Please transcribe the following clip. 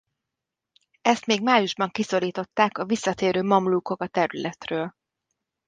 Ezt még májusban kiszorították a visszatérő mamlúkok a területről.